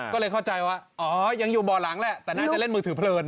ก็เลยเข้าใจว่าอ๋อยังอยู่บ่อหลังแหละแต่น่าจะเล่นมือถือเพลิน